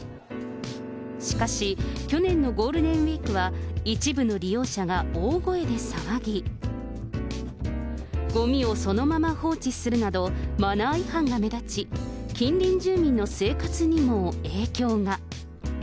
しかし、去年のゴールデンウィークは一部の利用者が大声で騒ぎ、ごみをそのまま放置するなど、マナー違反が目立ち、近隣住民の生活にも影響が。